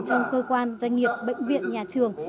trong cơ quan doanh nghiệp bệnh viện nhà trường